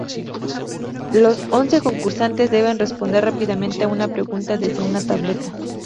Los once concursantes deben responder rápidamente a una pregunta desde una tableta.